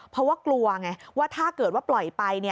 เพราะว่ากลัวไงว่าถ้าเกิดว่าปล่อยไป